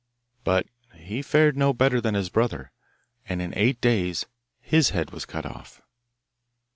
But he fared no better than his brother, and in eight days his head was cut off.